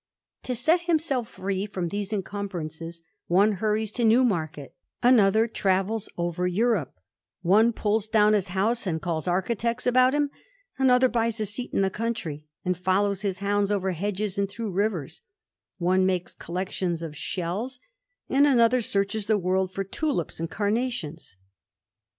To set himself free from these incumbrances, one hiuries to New market ; another travels over Europe ; one pulls down his house and calls architects about him ; another buys a seat in the country, and follows his hounds over hedges and through rivers ; one makes collections of shells ; and another searches the world for tulips and carnations.